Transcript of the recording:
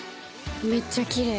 めっちゃきれい。